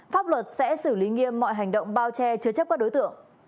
pháp luật sẽ xử lý nghiêm mọi hành động bao che chứa chấp các đối tượng